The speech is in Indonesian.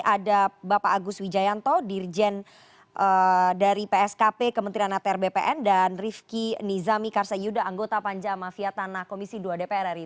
ada bapak agus wijayanto dirjen dari pskp kementerian atr bpn dan rifki nizami karsayuda anggota panja mafia tanah komisi dua dpr ri